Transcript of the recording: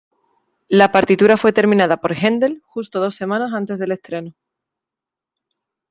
La partitura fue terminada por Händel justo dos semanas antes del estreno.